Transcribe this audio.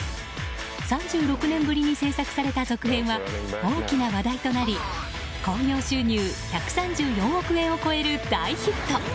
３６年ぶりに制作された続編は大きな話題となり興行収入１３４億円を超える大ヒット。